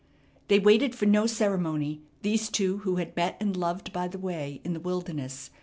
They waited for no ceremony, these two who had met and loved by the way in the wilderness.